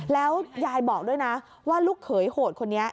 แล้วยายบอกด้วยนะว่าลูกเขยโหดคนนี้